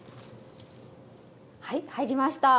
はい入りました！